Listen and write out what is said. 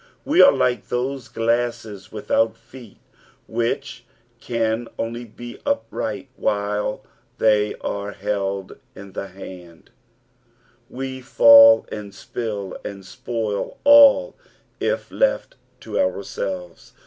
Wo are like those glasses without feet, which can only be upright while they are held in the hand ; we fall, and s^ill, and spoil all, if left to ourselves.